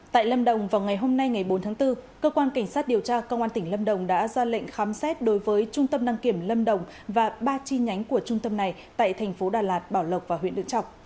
tại lâm đồng vào ngày hôm nay ngày bốn tháng bốn cơ quan cảnh sát điều tra công an tỉnh lâm đồng đã ra lệnh khám xét đối với trung tâm đăng kiểm lâm đồng và ba chi nhánh của trung tâm này tại thành phố đà lạt bảo lộc và huyện đức trọng